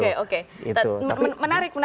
menarik menarik menarik juga